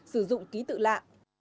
sử dụng ký tự lạ